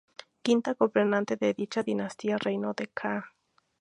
Quinta gobernante de dicha dinastía, reinó de ca.